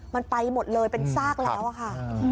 มันไปหมดเลยเป็นซากแล้วอะค่ะ